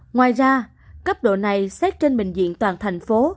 ngoài ra cấp độ này xét trên bệnh viện toàn thành phố